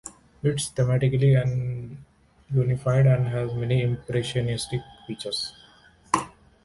It is thematically unified and has many impressionistic features.